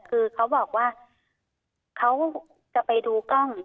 คือเขาบอกว่าเขาจะไปดูกล้อง